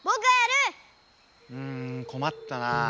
うんこまったなぁ。